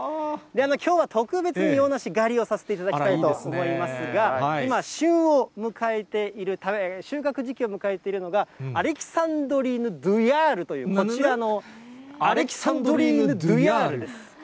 きょうは特別に洋梨狩りをさせていただきたいと思いますが、今、旬を迎えている、収穫時期を迎えているのが、アレキサンドリーヌ・ドゥヤールという、こちらのアレキサンドリーヌ・ドゥヤールです。